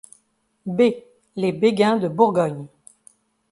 B - Les Béguin de Bourgogne.